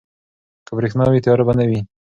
که برښنا وي، تیاره به نه وي.